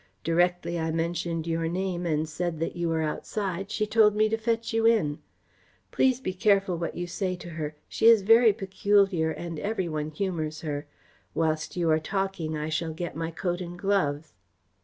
Directly I mentioned your name and said that you were outside, she told me to fetch you in. Please be careful what you say to her. She is very peculiar and every one humours her. Whilst you are talking I shall get my coat and gloves."